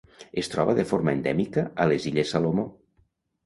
Es troba de forma endèmica a les Illes Salomó.